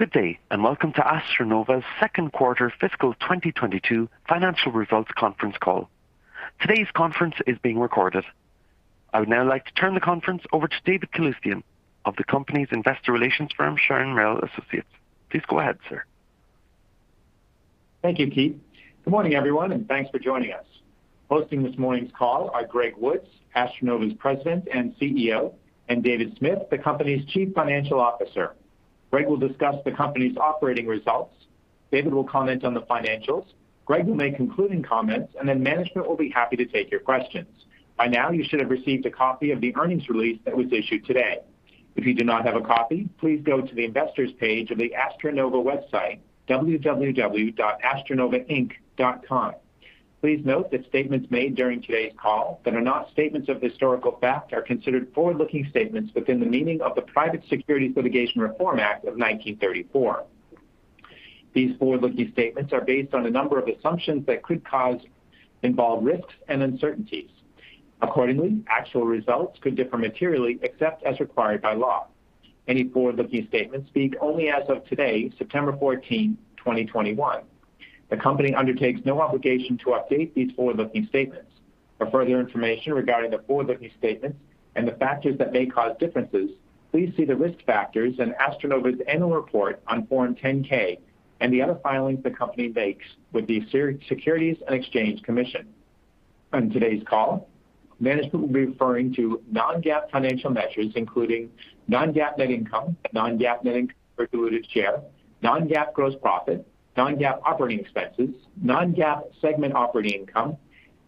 Good day, and welcome to AstroNova's second quarter fiscal 2022 financial results conference call. Today's conference is being recorded. I would now like to turn the conference over to David Calusdian of the company's investor relations firm, Sharon Merrill Associates. Please go ahead, sir. Thank you, Keith. Good morning, everyone, and thanks for joining us. Hosting this morning's call are Greg Woods, AstroNova's President and CEO, and David Smith, the company's Chief Financial Officer. Greg will discuss the company's operating results. David will comment on the financials. Greg will make concluding comments, and then management will be happy to take your questions. By now, you should have received a copy of the earnings release that was issued today. If you do not have a copy, please go to the investors page of the AstroNova website, www.astronovainc.com. Please note that statements made during today's call that are not statements of historical fact are considered forward-looking statements within the meaning of the Private Securities Litigation Reform Act of 1934. These forward-looking statements are based on a number of assumptions that could cause involved risks and uncertainties. Accordingly, actual results could differ materially except as required by law. Any forward-looking statements speak only as of today, September 14, 2021. The company undertakes no obligation to update these forward-looking statements. For further information regarding the forward-looking statements and the factors that may cause differences, please see the risk factors in AstroNova's annual report on Form 10-K, and the other filings the company makes with the Securities and Exchange Commission. On today's call, management will be referring to non-GAAP financial measures, including non-GAAP net income, non-GAAP net income per diluted share, non-GAAP gross profit, non-GAAP operating expenses, non-GAAP segment operating income,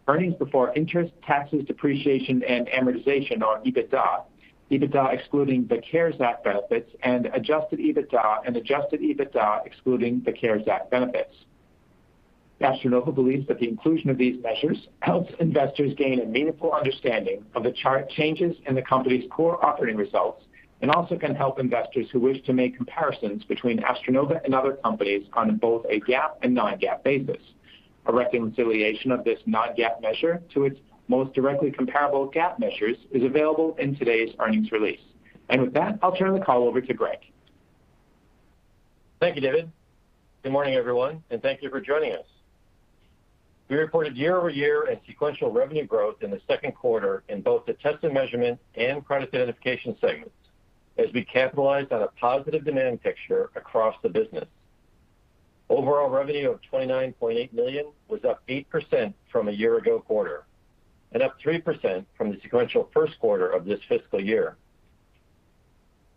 earnings before interest, taxes, depreciation, and amortization, or EBITDA excluding the CARES Act benefits and adjusted EBITDA, and adjusted EBITDA excluding the CARES Act benefits. AstroNova believes that the inclusion of these measures helps investors gain a meaningful understanding of the chart changes in the company's core operating results, and also can help investors who wish to make comparisons between AstroNova and other companies on both a GAAP and non-GAAP basis. A reconciliation of this non-GAAP measure to its most directly comparable GAAP measures is available in today's earnings release. With that, I'll turn the call over to Greg. Thank you, David. Good morning, everyone, and thank you for joining us. We reported year-over-year and sequential revenue growth in the second quarter in both the Test & Measurement and Product Identification segments as we capitalized on a positive demand picture across the business. Overall revenue of $29.8 million was up 8% from a year ago quarter, and up 3% from the sequential first quarter of this fiscal year.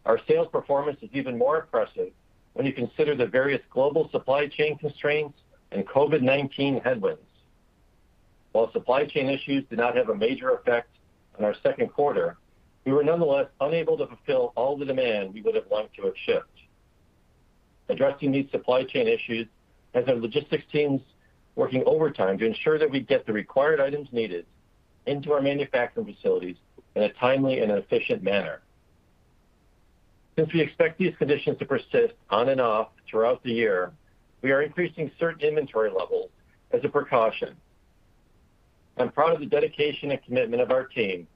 Our sales performance is even more impressive when you consider the various global supply chain constraints and COVID-19 headwinds. While supply chain issues did not have a major effect on our second quarter, we were nonetheless unable to fulfill all the demand we would have wanted to have shipped. Addressing these supply chain issues has had logistics teams working overtime to ensure that we get the required items needed into our manufacturing facilities in a timely and efficient manner. Since we expect these conditions to persist on and off throughout the year, we are increasing certain inventory levels as a precaution. I'm proud of the dedication and commitment of our team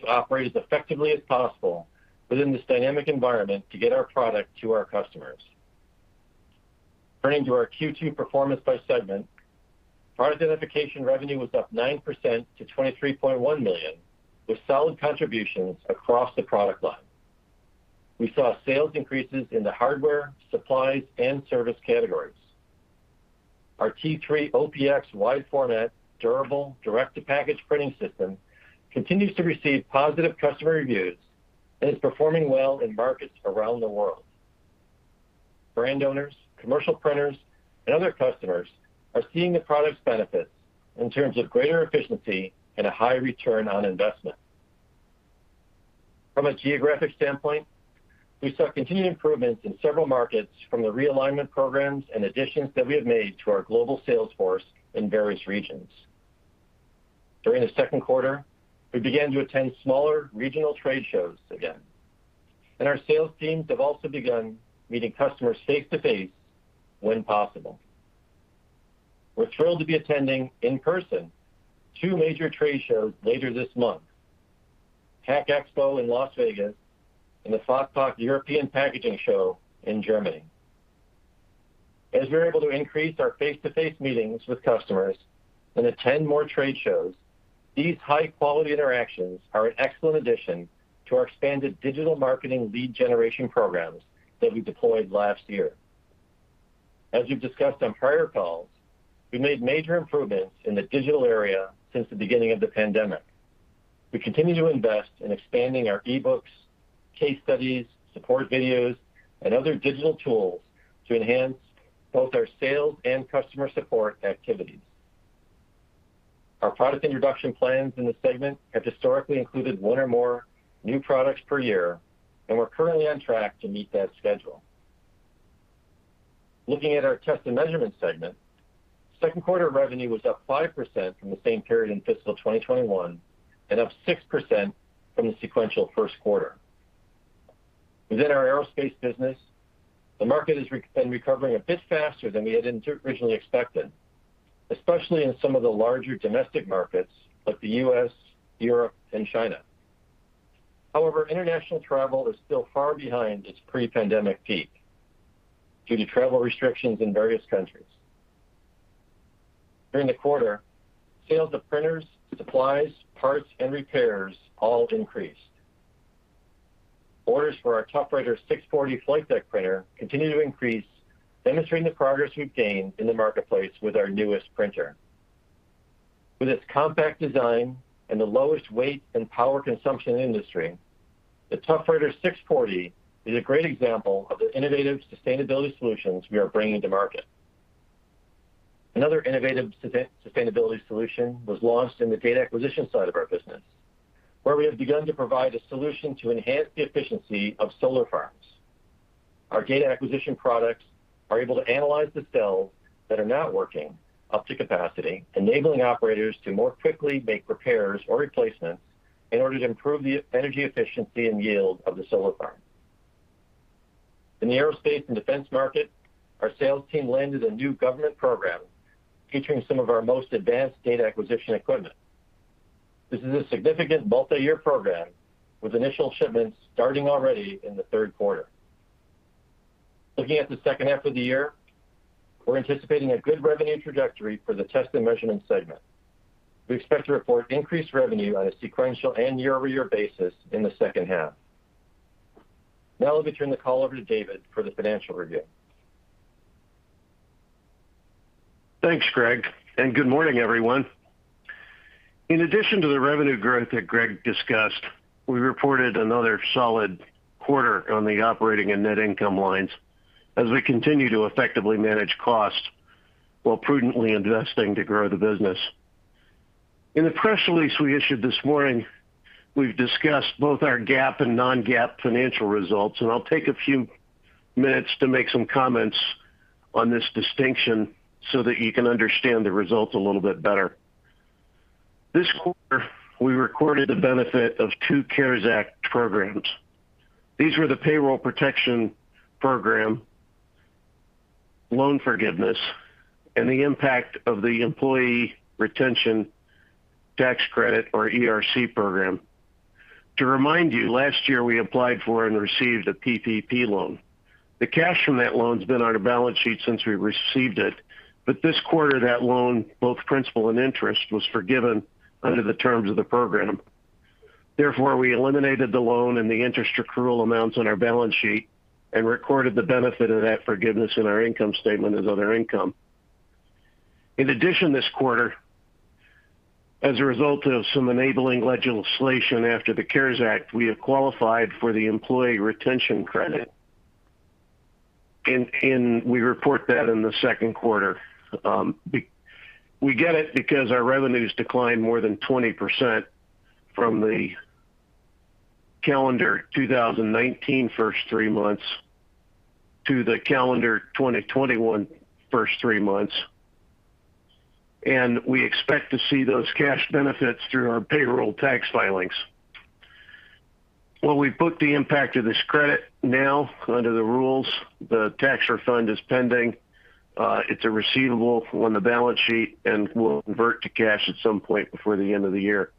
to operate as effectively as possible within this dynamic environment to get our product to our customers. Turning to our Q2 performance by segment, Product Identification revenue was up 9% to $23.1 million, with solid contributions across the product line. We saw sales increases in the hardware, supplies, and service categories. Our T3-OPX wide-format, durable, direct-to-package printing system continues to receive positive customer reviews and is performing well in markets around the world. Brand owners, commercial printers, and other customers are seeing the product's benefits in terms of greater efficiency and a high return on investment. From a geographic standpoint, we saw continued improvements in several markets from the realignment programs and additions that we have made to our global sales force in various regions. During the second quarter, we began to attend smaller regional trade shows again, and our sales teams have also begun meeting customers face-to-face when possible. We're thrilled to be attending in person two major trade shows later this month, PACK EXPO in Las Vegas and the FachPack European packaging show in Germany. As we're able to increase our face-to-face meetings with customers and attend more trade shows, these high-quality interactions are an excellent addition to our expanded digital marketing lead generation programs that we deployed last year. As we've discussed on prior calls, we made major improvements in the digital area since the beginning of the pandemic. We continue to invest in expanding our e-books, case studies, support videos, and other digital tools to enhance both our sales and customer support activities. Our product introduction plans in this segment have historically included one or more new products per year, and we're currently on track to meet that schedule. Looking at our Test & Measurement segment, second quarter revenue was up 5% from the same period in fiscal 2021 and up 6% from the sequential first quarter. Within our aerospace business, the market has been recovering a bit faster than we had originally expected. Especially in some of the larger domestic markets like the U.S., Europe, and China. International travel is still far behind its pre-pandemic peak due to travel restrictions in various countries. During the quarter, sales of printers, supplies, parts, and repairs all increased. Orders for our ToughWriter 640 flight deck printer continue to increase, demonstrating the progress we've gained in the marketplace with our newest printer. With its compact design and the lowest weight and power consumption in the industry, the ToughWriter 640 is a great example of the innovative sustainability solutions we are bringing to market. Another innovative sustainability solution was launched in the data acquisition side of our business, where we have begun to provide a solution to enhance the efficiency of solar farms. Our data acquisition products are able to analyze the cells that are not working up to capacity, enabling operators to more quickly make repairs or replacements in order to improve the energy efficiency and yield of the solar farm. In the aerospace and defense market, our sales team landed a new government program featuring some of our most advanced data acquisition equipment. This is a significant multiyear program with initial shipments starting already in the third quarter. Looking at the second half of the year, we're anticipating a good revenue trajectory for the Test & Measurement segment. We expect to report increased revenue on a sequential and year-over-year basis in the second half. Now let me turn the call over to David for the financial review. Thanks, Greg. Good morning, everyone. In addition to the revenue growth that Greg discussed, we reported another one solid quarter on the operating and net income lines as we continue to effectively manage costs while prudently investing to grow the business. In the press release we issued this morning, we've discussed both our GAAP and non-GAAP financial results. I'll take a few minutes to make some comments on this distinction so that you can understand the results a little bit better. This quarter, we recorded the benefit of two CARES Act programs. These were the Paycheck Protection Program, loan forgiveness, and the impact of the Employee Retention Credit, or ERC program. To remind you, last year, we applied for and received a PPP loan. The cash from that loan's been on our balance sheet since we received it, but this quarter, that loan, both principal and interest, was forgiven under the terms of the program. Therefore, we eliminated the loan and the interest accrual amounts on our balance sheet and recorded the benefit of that forgiveness in our income statement as other income. In addition, this quarter, as a result of some enabling legislation after the CARES Act, we have qualified for the Employee Retention Credit. We report that in the second quarter. We get it because our revenues declined more than 20% from the calendar 2019 first three months to the calendar 2021 first three months. We expect to see those cash benefits through our payroll tax filings. While we book the impact of this credit now under the rules, the tax refund is pending. It's a receivable on the balance sheet and will convert to cash at some point before the end of the year.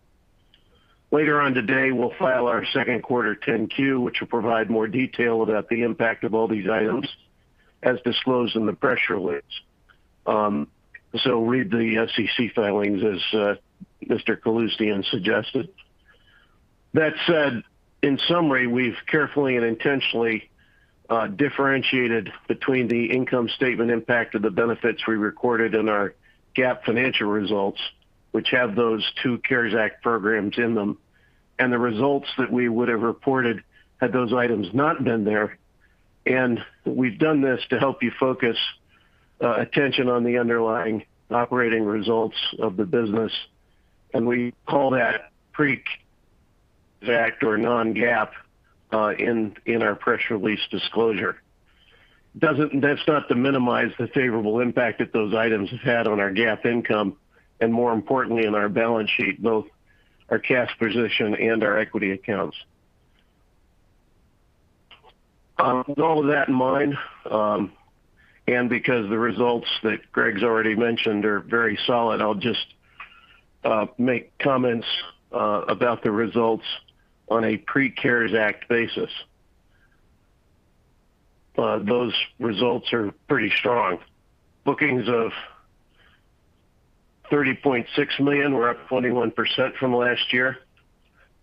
Later on today, we'll file our second quarter 10-Q, which will provide more detail about the impact of all these items as disclosed in the press release. Read the SEC filings as Mr. Calusdian suggested. That said, in summary, we've carefully and intentionally differentiated between the income statement impact of the benefits we recorded in our GAAP financial results, which have those two CARES Act programs in them, and the results that we would have reported had those items not been there. We've done this to help you focus attention on the underlying operating results of the business, and we call that pre-CARES Act or non-GAAP in our press release disclosure. That's not to minimize the favorable impact that those items have had on our GAAP income and, more importantly, on our balance sheet, both our cash position and our equity accounts. With all of that in mind, because the results that Greg's already mentioned are very solid, I'll just make comments about the results on a pre-CARES Act basis. Those results are pretty strong. Bookings of $30.6 million were up 21% from last year.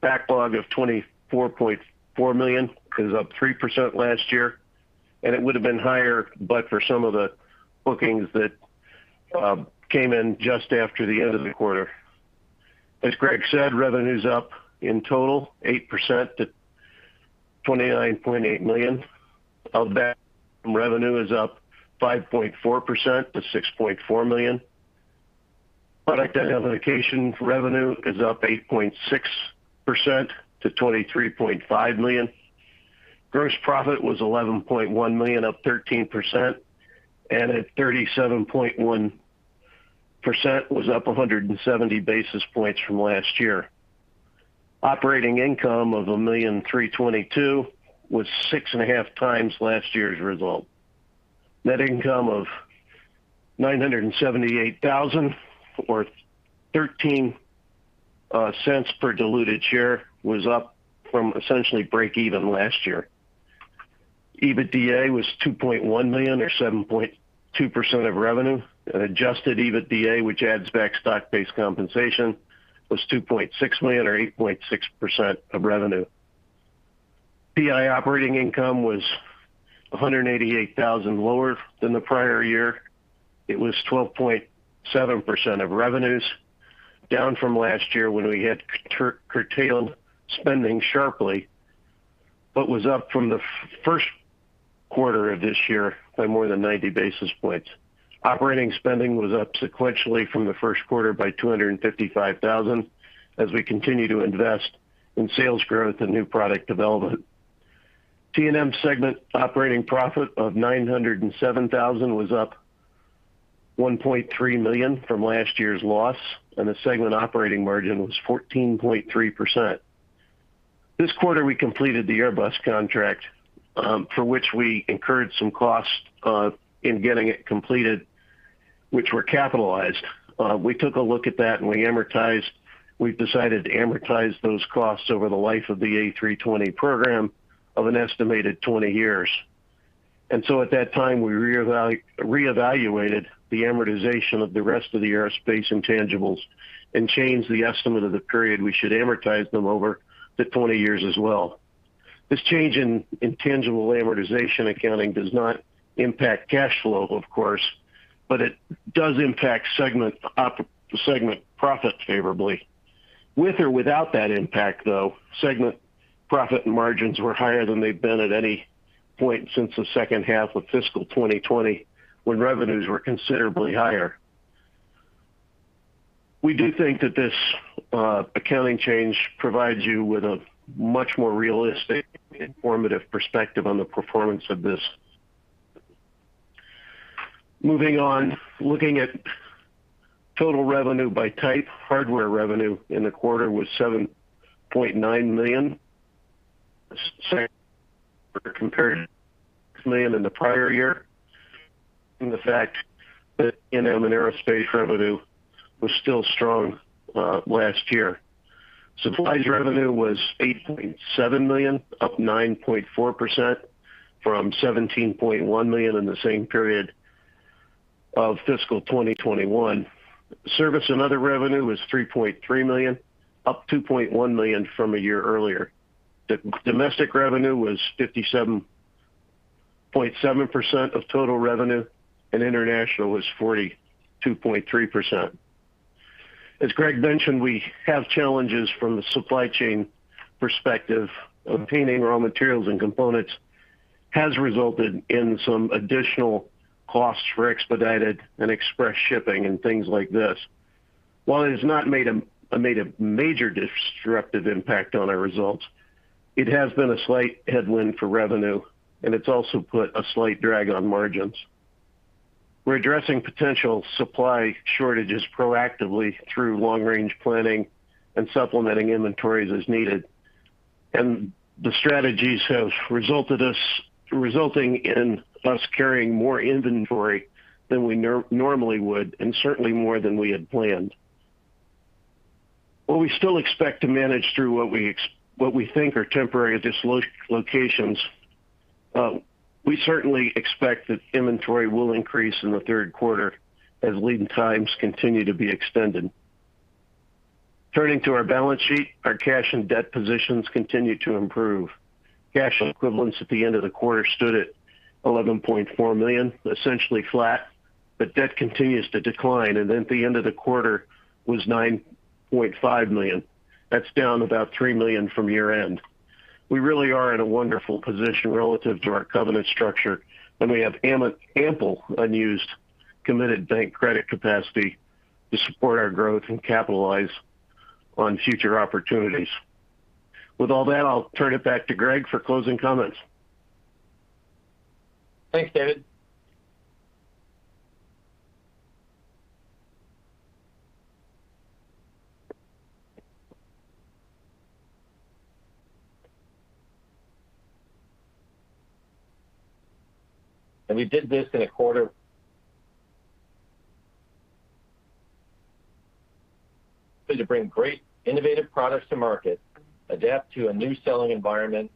Backlog of $24.4 million is up 3% last year. It would've been higher, but for some of the bookings that came in just after the end of the quarter. As Greg said, revenue's up in total 8% to $29.8 million. Of that, revenue is up 5.4% to $6.4 million. Product and application revenue is up 8.6% to $23.5 million. Gross profit was $11.1 million, up 13%, and at 37.1% was up 170 basis points from last year. Operating income of $1.322 million was 6.5x last year's result. Net income of $978,000, or $0.13 per diluted share, was up from essentially break-even last year. EBITDA was $2.1 million, or 7.2% of revenue. Adjusted EBITDA, which adds back stock-based compensation, was $2.6 million, or 8.6% of revenue. PI operating income was $188,000 lower than the prior year. It was 12.7% of revenues, down from last year when we had curtailed spending sharply but was up from the first quarter of this year by more than 90 basis points. Operating spending was up sequentially from the first quarter by $255,000, as we continue to invest in sales growth and new product development. T&M segment operating profit of $907,000 was up $1.3 million from last year's loss, and the segment operating margin was 14.3%. This quarter, we completed the Airbus contract, for which we incurred some costs in getting it completed, which were capitalized. We took a look at that, and we've decided to amortize those costs over the life of the A320 program of an estimated 20 years. At that time, we reevaluated the amortization of the rest of the aerospace intangibles and changed the estimate of the period we should amortize them over to 20 years as well. This change in intangible amortization accounting does not impact cash flow, of course, but it does impact segment profit favorably. With or without that impact, though, segment profit margins were higher than they've been at any point since the second half of fiscal 2020, when revenues were considerably higher. We do think that this accounting change provides you with a much more realistic, informative perspective on the performance of this. Moving on, looking at total revenue by type, hardware revenue in the quarter was $7.9 million, compared to $6 million in the prior year, and the fact that T&M aerospace revenue was still strong last year. Supplies revenue was $8.7 million, up 9.4% from $17.1 million in the same period of fiscal 2021. Service and other revenue was $3.3 million, up $2.1 million from a year earlier. Domestic revenue was 57.7% of total revenue, and international was 42.3%. As Greg mentioned, we have challenges from the supply chain perspective. Obtaining raw materials and components has resulted in some additional costs for expedited and express shipping and things like this. While it has not made a major disruptive impact on our results, it has been a slight headwind for revenue, and it's also put a slight drag on margins. We're addressing potential supply shortages proactively through long-range planning and supplementing inventories as needed. The strategies have resulted in us carrying more inventory than we normally would, and certainly more than we had planned. While we still expect to manage through what we think are temporary dislocations, we certainly expect that inventory will increase in the third quarter as lead times continue to be extended. Turning to our balance sheet, our cash and debt positions continue to improve. Cash equivalents at the end of the quarter stood at $11.4 million, essentially flat, but debt continues to decline, and at the end of the quarter was $9.5 million. That's down about $3 million from year-end. We really are in a wonderful position relative to our covenant structure, and we have ample unused committed bank credit capacity to support our growth and capitalize on future opportunities. With all that, I'll turn it back to Greg for closing comments. Thanks, David. We did this to bring great innovative products to market, adapt to a new selling environment.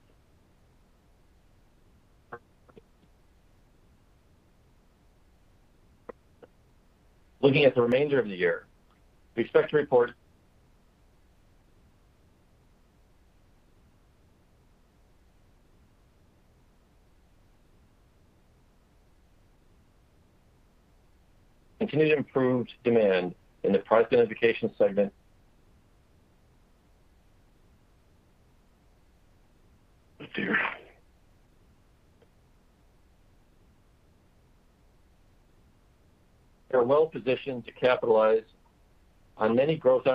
Looking at the remainder of the year, we expect to report continued improved demand in the Product Identification segment. We are well positioned to capitalize on many growths.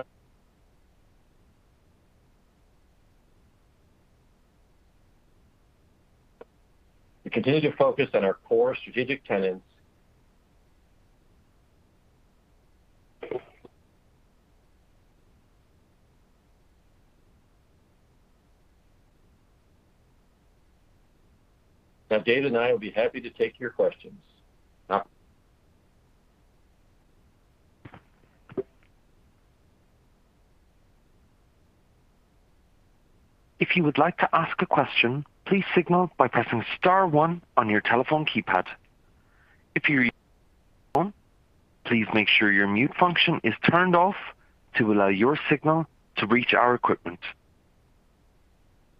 We continue to focus on our core strategic tenets. Dave and I will be happy to take your questions. If you would like to ask a question, please signal by pressing star one on your telephone keypad. If you're using please make sure your mute function is turned off to allow your signal to reach our equipment.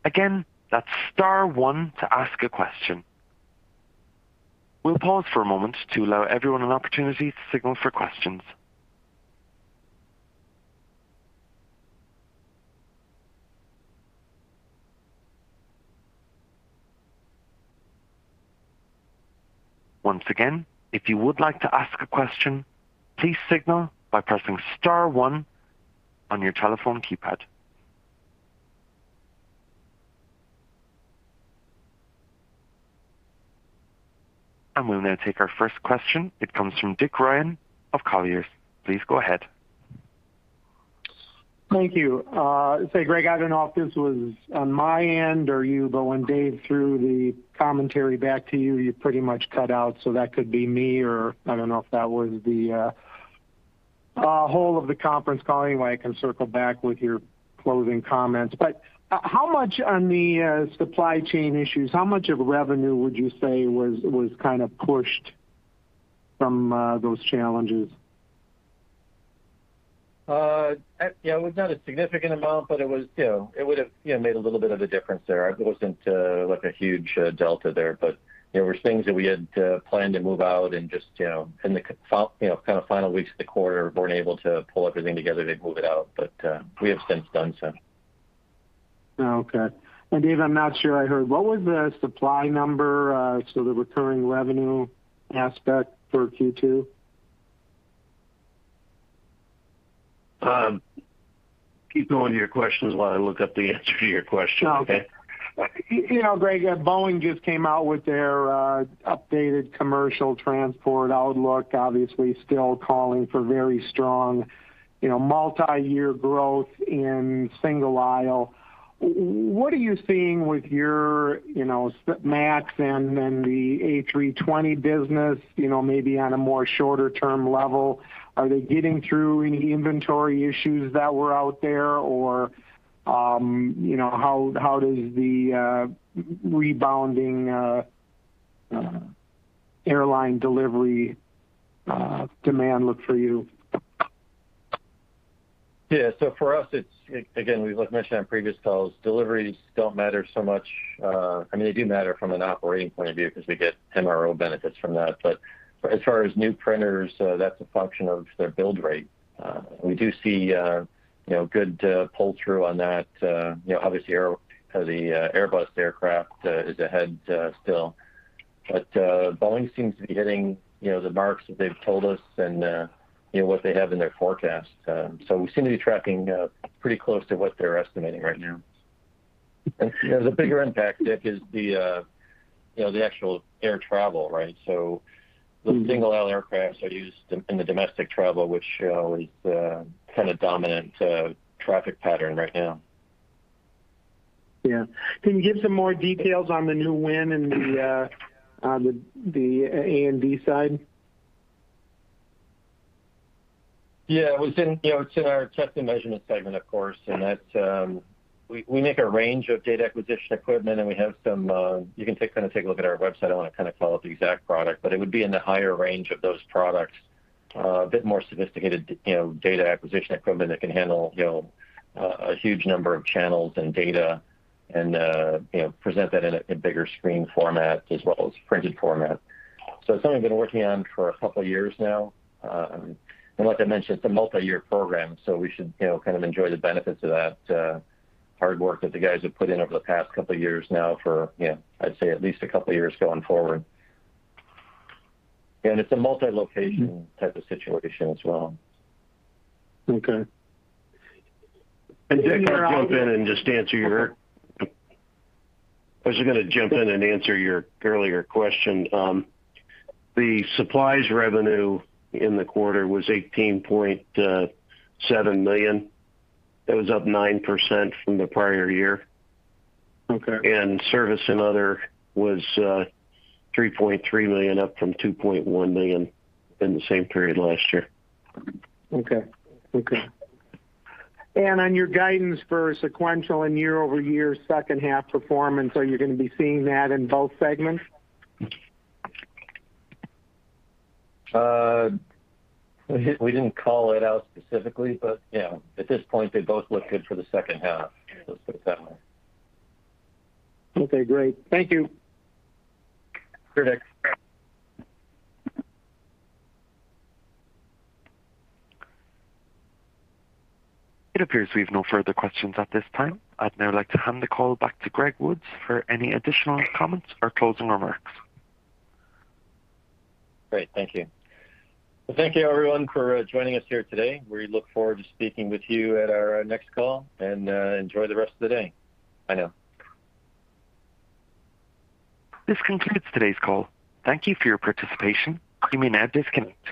Again, that's star one to ask a question. We'll pause for a moment to allow everyone an opportunity to signal for questions. Once again, if you would like to ask a question, please signal by pressing star one on your telephone keypad. We'll now take our first question. It comes from Richard Ryan of Colliers. Please go ahead. Thank you. Say, Greg, I don't know if this was on my end or you. When Dave threw the commentary back to you pretty much cut out. That could be me, or I don't know if that was the whole of the conference call. Anyway, I can circle back with your closing comments. How much on the supply chain issues, how much of revenue would you say was kind of pushed from those challenges? Yeah. It was not a significant amount, but it would've made a little bit of a difference there. It wasn't a huge delta there, but there were things that we had planned to move out in the kind of final weeks of the quarter, weren't able to pull everything together to move it out. We have since done so. Okay. Dave, I'm not sure I heard, what was the supply number, so the recurring revenue aspect for Q2? Keep going with your questions while I look up the answer to your question, okay? Okay. Greg, Boeing just came out with their updated commercial transport outlook, obviously still calling for very strong multi-year growth in single aisle. What are you seeing with your MAX and the A320 business maybe on a more shorter-term level? Are they getting through any inventory issues that were out there, or how does the rebounding airline delivery demand look for you? Yeah. For us, again, as we mentioned on previous calls, deliveries don't matter so much. I mean, they do matter from an operating point of view because we get MRO benefits from that. As far as new printers, that's a function of their build rate. We do see good pull-through on that. Obviously, the Airbus aircraft is ahead still. Boeing seems to be hitting the marks that they've told us and what they have in their forecast. We seem to be tracking pretty close to what they're estimating right now. The bigger impact, Dick, is the actual air travel, right? Those single-aisle aircrafts are used in the domestic travel, which is kind of dominant traffic pattern right now. Yeah. Can you give some more details on the new win on the A&D side? Yeah. It's in our Test & Measurement segment, of course, and we make a range of data acquisition equipment, and you can take a look at our website. I don't want to call out the exact product. But it would be in the higher range of those products. A bit more sophisticated data acquisition equipment that can handle a huge number of channels and data and present that in a bigger screen format as well as printed format. So, it's something we've been working on for a couple of years now. Like I mentioned, it's a multi-year program, so we should kind of enjoy the benefits of that hard work that the guys have put in over the past couple of years now for I'd say at least a couple of years going forward. It's a multi-location type of situation as well. Okay. And then can I jump in and just answer your earlier question. The supplies revenue in the quarter was $18.7 million. That was up 9% from the prior year. Okay. Service and other was $3.3 million, up from $2.1 million in the same period last year. Okay. On your guidance for sequential and year-over-year second half performance, are you going to be seeing that in both segments? We didn't call it out specifically, but yeah, at this point, they both look good for the second half. Let's put it that way. Okay, great. Thank you. It appears we've no further questions at this time. I'd now like to hand the call back to Greg Woods for any additional comments or closing remarks. Great. Thank you. Well, thank you everyone for joining us here today. We look forward to speaking with you at our next call, and enjoy the rest of the day. Bye now. This concludes today's call. Thank you for your participation. You may now disconnect.